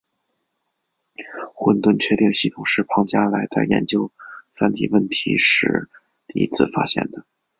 混沌确定系统是庞加莱在研究三体问题时第一次发现的。